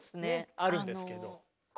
あるんですけど。